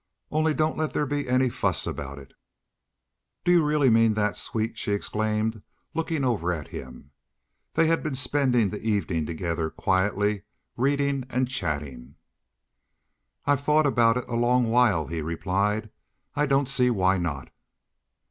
"Only don't let there be any fuss about it." "Do you really mean that, sweet?" she exclaimed, looking over at him; they had been spending the evening together quietly reading and chatting. "I've thought about it a long while," he replied. "I don't see why not."